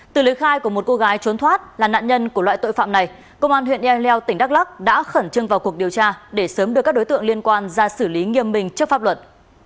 từ lời khai của một cô gái trốn thoát là nạn nhân của loại tội phạm này công an huyện ea leo tỉnh đắk lắc đã khẩn trương vào cuộc điều tra để sớm đưa các đối tượng liên quan ra xử lý nghiêm minh trước pháp luật